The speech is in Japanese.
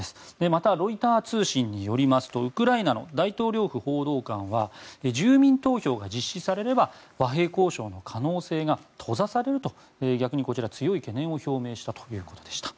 また、ロイター通信によりますとウクライナの大統領府報道官は住民投票が実施されれば和平交渉の可能性が閉ざされると逆にこちらは強い懸念を表明したということでした。